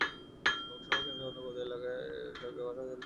লোকসভা কেন্দ্রের অন্তর্গত এলাকার সরকারি ভাষা হল তেলুগু।